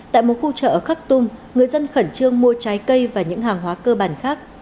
tại một khu chợ ở khắc tum người dân khẩn trương mua trái cây và những hàng hóa cơ bản khác